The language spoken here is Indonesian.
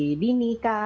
apakah stadium nasi dini